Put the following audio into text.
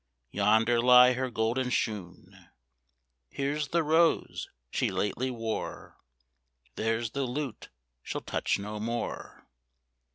Yonder lie her golden shoon, Here's the rose she lately wore, There's the lute she'll touch no more.